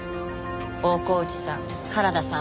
大河内さん原田さん